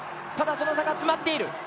ただその差が詰まっている。